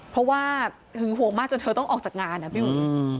เพราะว่าหึงห่วงมากจนเธอต้องออกจากงานอ่ะพี่อุ๋ย